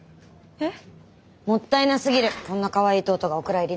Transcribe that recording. えっ？